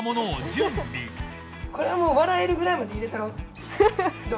これはもう笑えるぐらいまで入れたろ。